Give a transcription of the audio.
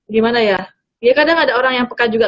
gimana ya kadang ada orang yang pekat juga